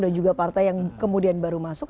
dan juga partai yang kemudian baru masuk